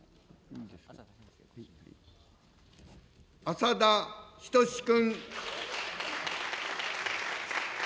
浅田均君。